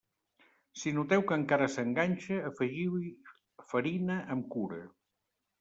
Si noteu que encara s'enganxa, afegiu-hi farina amb cura.